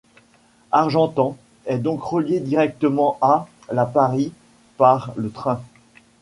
Argentan est donc reliée directement à la Paris par le train.